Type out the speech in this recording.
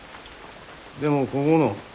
でもこごの。